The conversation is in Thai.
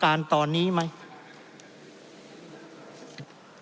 เพราะเรามี๕ชั่วโมงครับท่านนึง